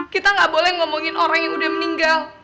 kita gak boleh ngomongin orang yang udah meninggal